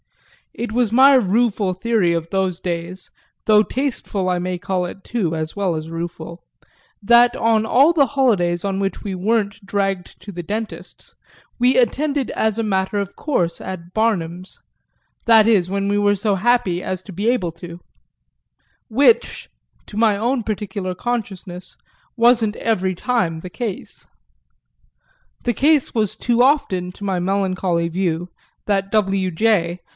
It was my rueful theory of those days though tasteful I may call it too as well as rueful that on all the holidays on which we weren't dragged to the dentist's we attended as a matter of course at Barnum's, that is when we were so happy as to be able to; which, to my own particular consciousness, wasn't every time the case. The case was too often, to my melancholy view, that W. J.